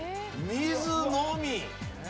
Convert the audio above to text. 水のみ。